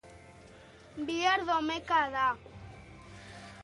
Bihar domeka da.